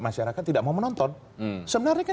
masyarakat tidak mau menonton sebenarnya kan